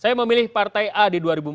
saya memilih partai a di dua ribu empat belas